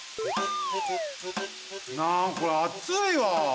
なんこれあついわ！